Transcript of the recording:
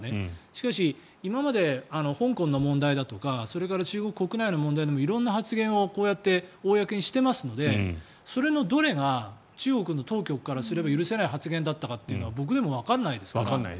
しかし、今まで香港の問題だとかそれから中国国内の問題でも色んな発言をこうやって公にしていますのでそれのどれが中国の当局からすれば許せない発言だったかは僕でもわからないですから。